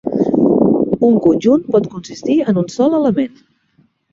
Un conjunt pot consistir en un sol element.